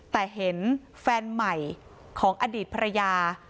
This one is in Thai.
แต่เห็นแฟนใหม่ของอดีตภรรยา